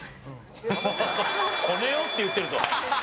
「こねよう」って言ってるぞ！